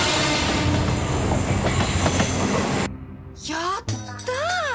やったぁ！